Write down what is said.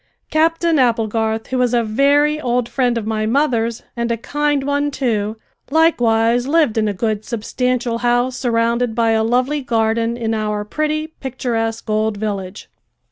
Captain Applegarth, who was a very old friend of my mother's and a kind one too, likewise, lived in a good substantial house surrounded by a lovely garden in our pretty, picturesque, old village.